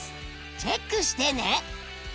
チェックしてね。